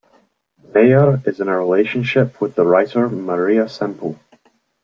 Meyer is in a relationship with the writer Maria Semple.